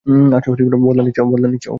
আচ্ছা, বদলা নিচ্ছে।